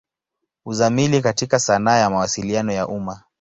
Uzamili katika sanaa ya Mawasiliano ya umma.